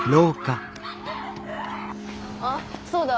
あっそうだ。